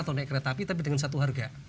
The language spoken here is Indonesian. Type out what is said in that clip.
atau naik kereta api tapi dengan satu harga